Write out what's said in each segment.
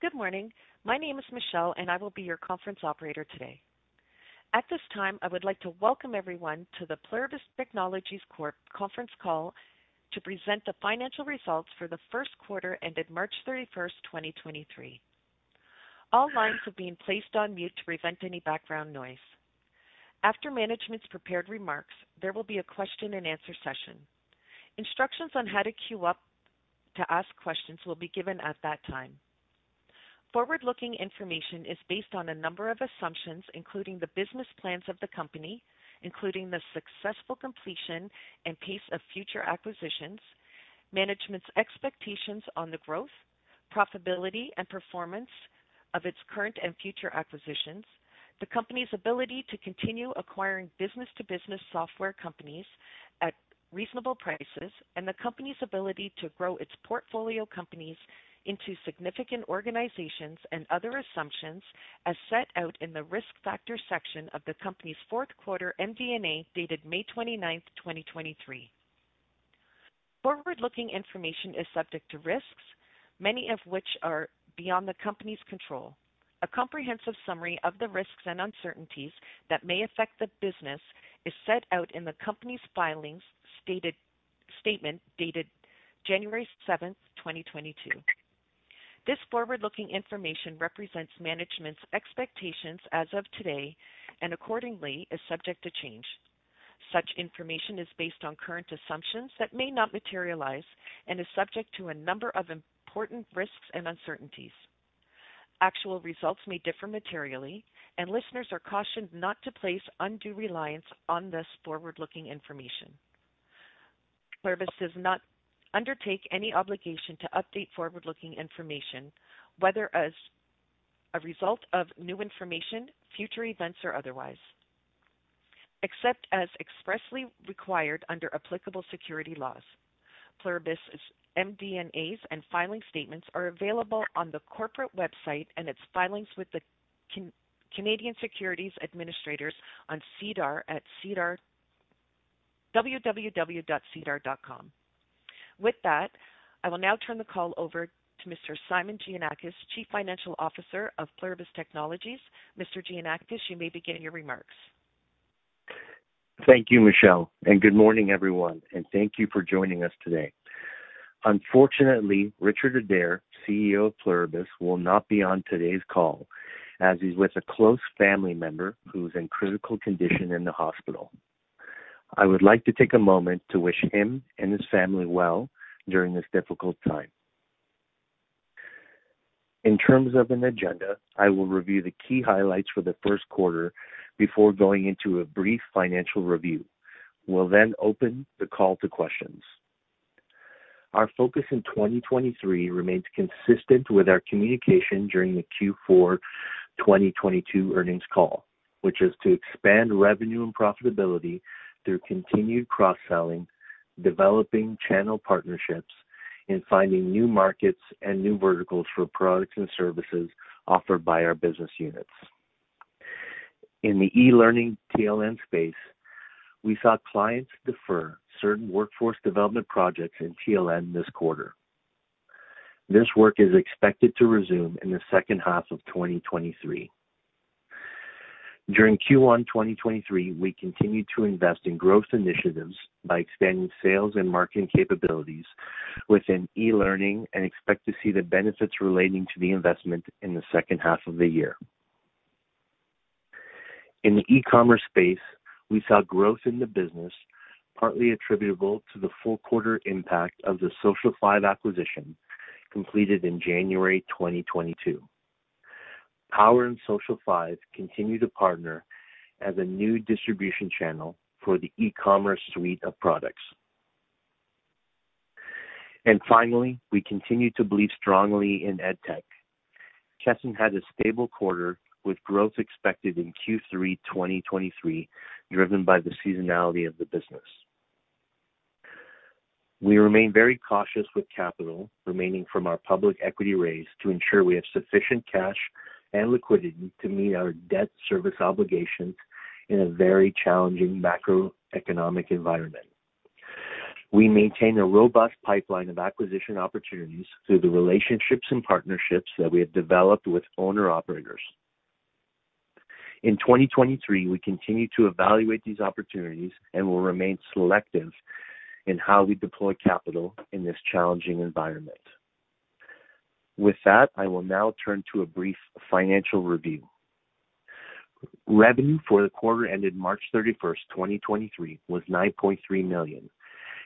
Good morning. My name is Michelle, and I will be your conference operator today. At this time, I would like to welcome everyone to the Pluribus Technologies Corp conference call to present the financial results for the first quarter ended March 31, 2023. All lines are being placed on mute to prevent any background noise. After management's prepared remarks, there will be a question and answer session. Instructions on how to queue up to ask questions will be given at that time. Forward-looking information is based on a number of assumptions, including the business plans of the company, including the successful completion and pace of future acquisitions, management's expectations on the growth, profitability, and performance of its current and future acquisitions, the company's ability to continue acquiring business-to-business software companies at reasonable prices, and the company's ability to grow its portfolio companies into significant organizations and other assumptions as set out in the Risk Factors section of the company's fourth quarter MD&A, dated May 29th, 2023. Forward-looking information is subject to risks, many of which are beyond the company's control. A comprehensive summary of the risks and uncertainties that may affect the business is set out in the company's filings statement dated January 7th, 2022. This forward-looking information represents management's expectations as of today and accordingly is subject to change. Such information is based on current assumptions that may not materialize and is subject to a number of important risks and uncertainties. Actual results may differ materially. Listeners are cautioned not to place undue reliance on this forward-looking information. Pluribus does not undertake any obligation to update forward-looking information, whether as a result of new information, future events, or otherwise, except as expressly required under applicable security laws. Pluribus' MD&As and filing statements are available on the corporate website and its filings with the Canadian Securities Administrators on SEDAR at www.sedar.com. I will now turn the call over to Mr. Simon Giannakis, Chief Financial Officer of Pluribus Technologies. Mr. Giannakis, you may begin your remarks. Thank you, Michelle, good morning, everyone, and thank you for joining us today. Unfortunately, Richard Adair, CEO of Pluribus, will not be on today's call as he's with a close family member who's in critical condition in the hospital. I would like to take a moment to wish him and his family well during this difficult time. In terms of an agenda, I will review the key highlights for the first quarter before going into a brief financial review. We'll then open the call to questions. Our focus in 2023 remains consistent with our communication during the Q4 2022 earnings call, which is to expand revenue and profitability through continued cross-selling, developing channel partnerships, and finding new markets and new verticals for products and services offered by our business units. In the eLearning TLN space, we saw clients defer certain workforce development projects in TLN this quarter. This work is expected to resume in the second half of 2023. During Q1 2023, we continued to invest in growth initiatives by extending sales and marketing capabilities within eLearning and expect to see the benefits relating to the investment in the second half of the year. In the eCommerce space, we saw growth in the business, partly attributable to the full quarter impact of the Social5 acquisition, completed in January 2022. POWR and Social5 continue to partner as a new distribution channel for the eCommerce suite of products. Finally, we continue to believe strongly in EdTech. Kesson had a stable quarter, with growth expected in Q3 2023, driven by the seasonality of the business. We remain very cautious with capital remaining from our public equity raise to ensure we have sufficient cash and liquidity to meet our debt service obligations in a very challenging macroeconomic environment. We maintain a robust pipeline of acquisition opportunities through the relationships and partnerships that we have developed with owner-operators. In 2023, we continue to evaluate these opportunities and will remain selective in how we deploy capital in this challenging environment. With that, I will now turn to a brief financial review. Revenue for the quarter ended March 31st, 2023, was 9.3 million,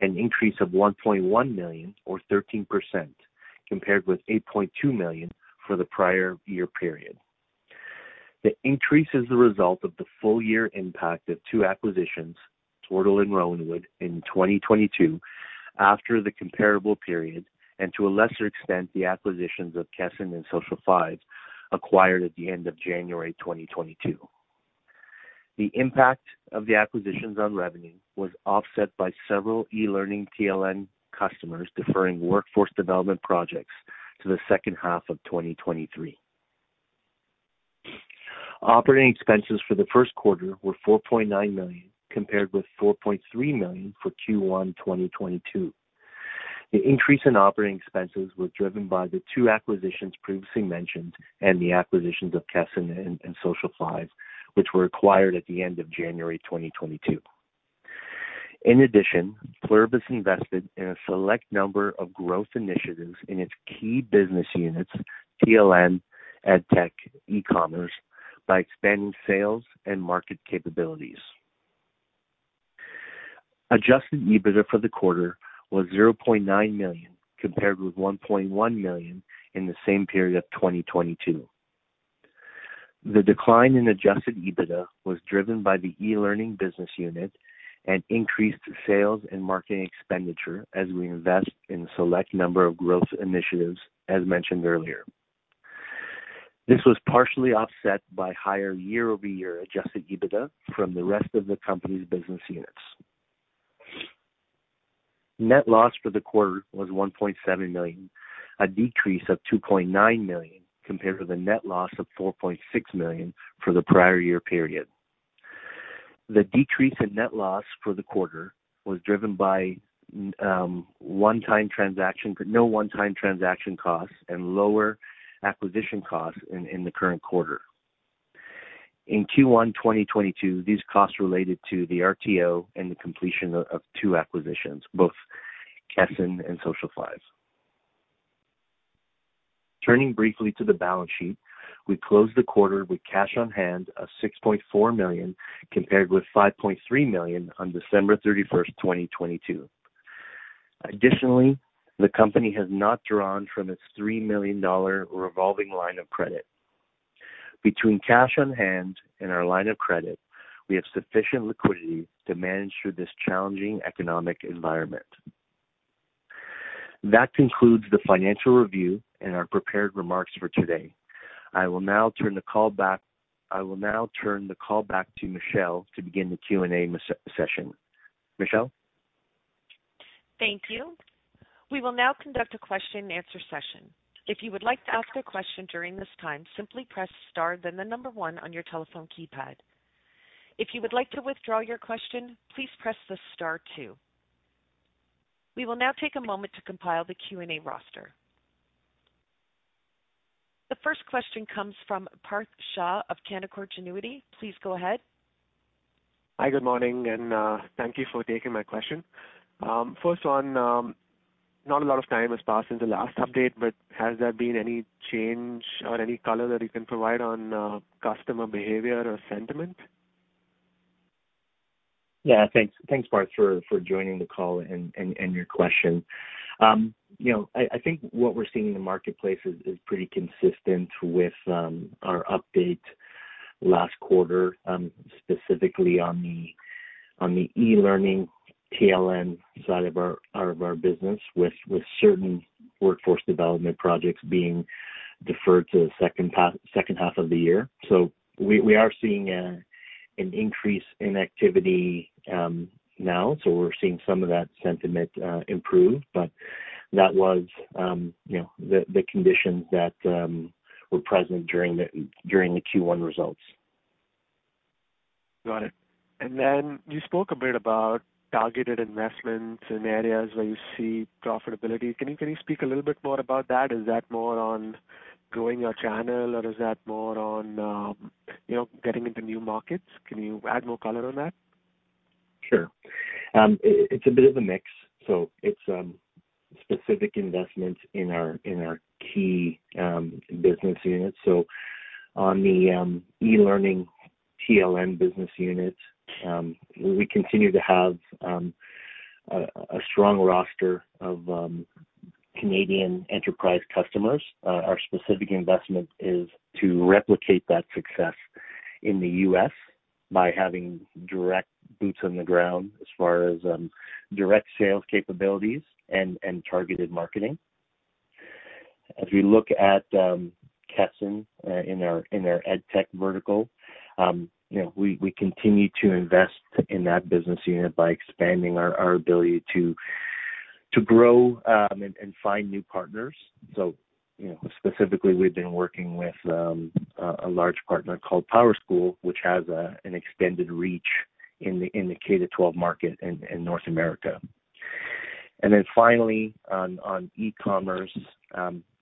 an increase of 1.1 million, or 13%, compared with 8.2 million for the prior year period. The increase is the result of the full year impact of two acquisitions, Tortal Training and Rowanwood, in 2022 after the comparable period and to a lesser extent, the acquisitions of Kesson Group and Social5, acquired at the end of January 2022. The impact of the acquisitions on revenue was offset by several eLearning TLN customers deferring workforce development projects to the second half of 2023. Operating expenses for the first quarter were 4.9 million, compared with 4.3 million for Q1, 2022. The increase in operating expenses was driven by the two acquisitions previously mentioned and the acquisitions of Kesson Group and Social5, which were acquired at the end of January 2022. Pluribus invested in a select number of growth initiatives in its key business units, TLN, EdTech, eCommerce, by expanding sales and market capabilities. Adjusted EBITDA for the quarter was 0.9 million, compared with 1.1 million in the same period of 2022. The decline in Adjusted EBITDA was driven by the eLearning business unit and increased sales and marketing expenditure as we invest in a select number of growth initiatives, as mentioned earlier. This was partially offset by higher year-over-year Adjusted EBITDA from the rest of the company's business units. Net loss for the quarter was 1.7 million, a decrease of 2.9 million compared to the net loss of 4.6 million for the prior year period. The decrease in net loss for the quarter was driven by no one-time transaction costs and lower acquisition costs in the current quarter. In Q1 2022, these costs related to the RTO and the completion of two acquisitions, both Kesson and Social5. Turning briefly to the balance sheet, we closed the quarter with cash on hand of 6.4 million, compared with 5.3 million on December 31, 2022. Additionally, the company has not drawn from its 3 million dollar revolving line of credit. Between cash on hand and our revolving line of credit, we have sufficient liquidity to manage through this challenging economic environment. That concludes the financial review and our prepared remarks for today. I will now turn the call back to Michelle to begin the Q&A session. Michelle? Thank you. We will now conduct a question and answer session. If you would like to ask a question during this time, simply press star, then the one on your telephone keypad. If you would like to withdraw your question, please press the star two. We will now take a moment to compile the Q&A roster. The first question comes from Parth Shah of Canaccord Genuity. Please go ahead. Hi, good morning, thank you for taking my question. First one, not a lot of time has passed since the last update, has there been any change or any color that you can provide on customer behavior or sentiment? Thanks, Parth, for joining the call and your question. You know, I think what we're seeing in the marketplace is pretty consistent with our update last quarter, specifically on the eLearning TLN side of our business, with certain workforce development projects being deferred to the second half of the year. We are seeing an increase in activity now. We're seeing some of that sentiment improve. That was, you know, the conditions that were present during the Q1 results. Got it. Then you spoke a bit about targeted investments in areas where you see profitability. Can you speak a little bit more about that? Is that more on growing your channel, or is that more on, you know, getting into new markets? Can you add more color on that? Sure. It's a bit of a mix, it's specific investments in our, in our key business units. On the eLearning TLN business unit, we continue to have a strong roster of Canadian enterprise customers. Our specific investment is to replicate that success in the U.S. by having direct boots on the ground as far as direct sales capabilities and targeted marketing. As we look at Kesson in our EdTech vertical, you know, we continue to invest in that business unit by expanding our ability to grow and find new partners. You know, specifically, we've been working with a large partner called PowerSchool, which has an extended reach in the K-12 market in North America. Finally, on eCommerce,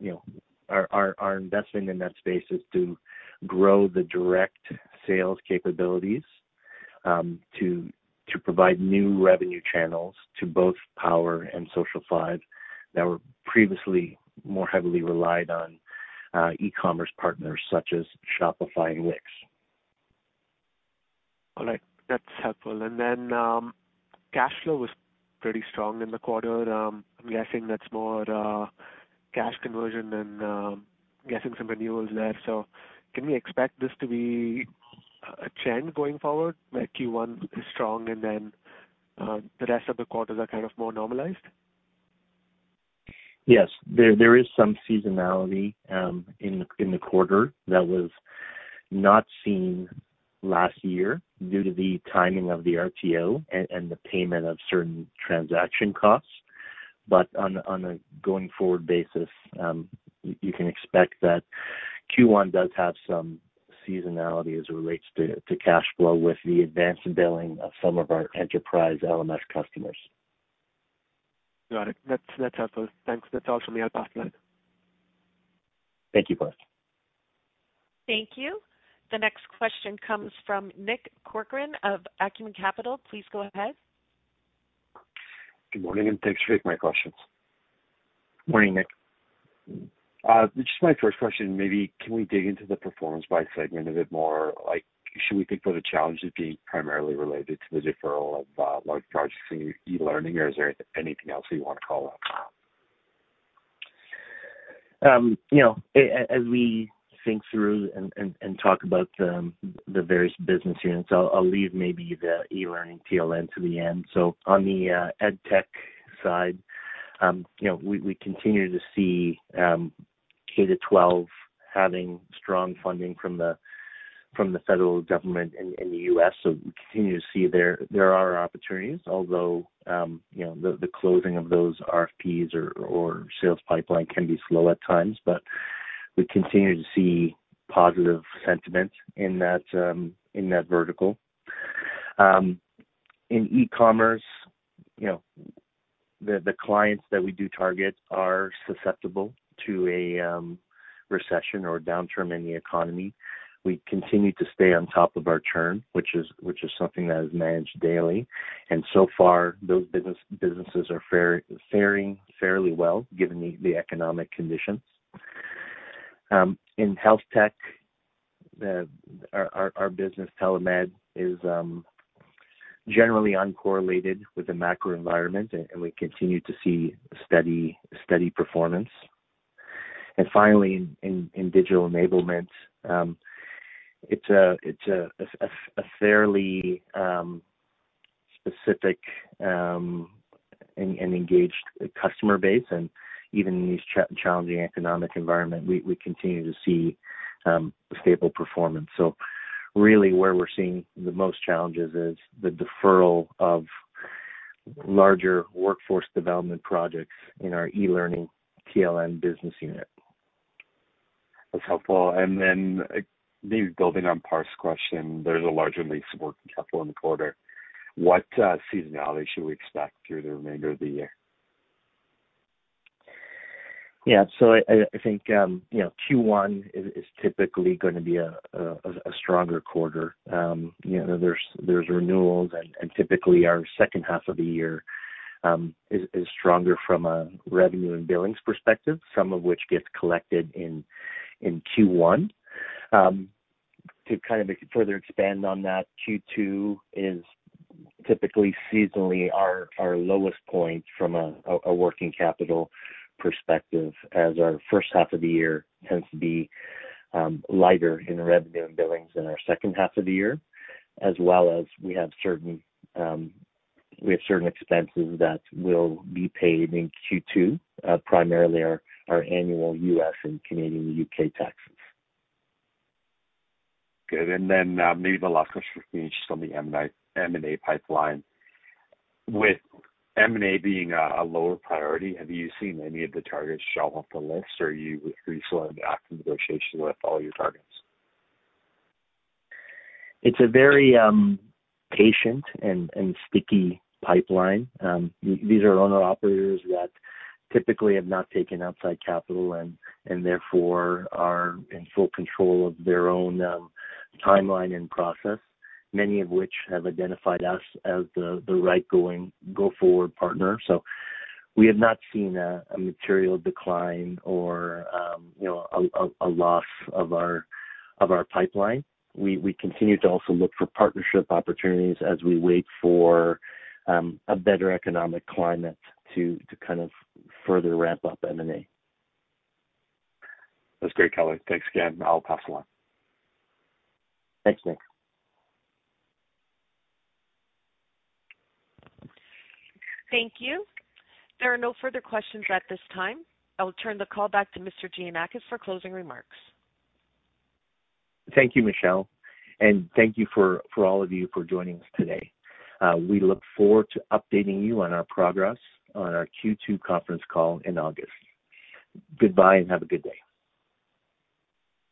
you know, our investing in that space is to grow the direct sales capabilities, to provide new revenue channels to both POWR and Social5 that were previously more heavily relied on, eCommerce partners such as Shopify and Wix. All right. That's helpful. Cash flow was pretty strong in the quarter. I'm guessing that's more cash conversion than guessing some renewals there. Can we expect this to be a trend going forward, where Q1 is strong and then the rest of the quarters are kind of more normalized? Yes. There is some seasonality in the quarter that was not seen last year due to the timing of the RTO and the payment of certain transaction costs. On a going forward basis, you can expect that Q1 does have some seasonality as it relates to cash flow with the advance in billing of some of our enterprise LMS customers. Got it. That's helpful. Thanks. That's all from me. I'll pass back. Thank you, Parth. Thank you. The next question comes from Nick Corcoran of Acumen Capital. Please go ahead. Good morning, thanks for taking my questions. Morning, Nick. Just my first question, maybe can we dig into the performance by segment a bit more? Like, should we think of the challenges being primarily related to the deferral of, large projects in eLearning, or is there anything else that you want to call out? You know, as we think through and talk about the various business units, I'll leave maybe the eLearning TLN to the end. On the EdTech side, you know, we continue to see K-12 having strong funding from the federal government in the U.S. We continue to see there are opportunities, although, you know, the closing of those RFPs or sales pipeline can be slow at times, but we continue to see positive sentiment in that vertical. In eCommerce, you know, the clients that we do target are susceptible to a recession or downturn in the economy. We continue to stay on top of our churn, which is something that is managed daily, and so far, those businesses are faring fairly well, given the economic conditions. In HealthTech, our business, TeleMED, is generally uncorrelated with the macro environment, and we continue to see steady performance. Finally, in Digital Enablement, it's a fairly specific and engaged customer base. Even in these challenging economic environment, we continue to see stable performance. Really where we're seeing the most challenges is the deferral of larger workforce development projects in our eLearning TLN business unit. That's helpful. Maybe building on Parth's question, there's a larger release of working capital in the quarter. What seasonality should we expect through the remainder of the year? Yeah. I think, you know, Q1 is typically gonna be a stronger quarter. You know, there's renewals, and typically our second half of the year is stronger from a revenue and billings perspective, some of which gets collected in Q1. To kind of further expand on that, Q2 is typically seasonally our lowest point from a working capital perspective, as our first half of the year tends to be lighter in revenue and billings than our second half of the year. We have certain, we have certain expenses that will be paid in Q2, primarily our annual U.S. and Canadian and U.K. taxes. Good. Maybe the last question for me, just on the M&A pipeline, with M&A being a lower priority, have you seen any of the targets shelve off the list, or are you reasonably active in negotiation with all your targets? It's a very patient and sticky pipeline. These are owner-operators that typically have not taken outside capital and therefore are in full control of their own timeline and process, many of which have identified us as the right go-forward partner. We have not seen a material decline or, you know, a loss of our of our pipeline. We continue to also look for partnership opportunities as we wait for a better economic climate to kind of further ramp up M&A. That's great, Kelly. Thanks again. I'll pass along. Thanks, Nick. Thank you. There are no further questions at this time. I will turn the call back to Mr. Giannakis for closing remarks. Thank you, Michelle, and thank you for all of you for joining us today. We look forward to updating you on our progress on our Q2 conference call in August. Goodbye. Have a good day.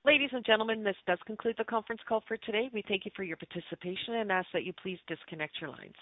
Ladies and gentlemen, this does conclude the conference call for today. We thank you for your participation and ask that you please disconnect your lines.